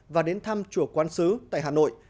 và đến thăm chùa quán sứ tại hà nội